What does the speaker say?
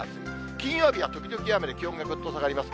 金曜日は時々雨で気温がぐっと下がります。